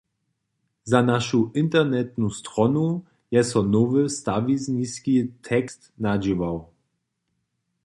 Za našu internetnu stronu je so nowy stawizniski tekst nadźěłał.